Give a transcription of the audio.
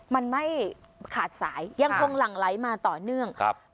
มันไม่ขาดสายยังคงหลั่งไหลมาต่อเนื่องครับ